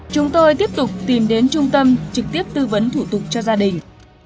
chúng tôi tiếp tục tìm đến trung tâm trực tiếp tư vấn thủ tục cho gia đình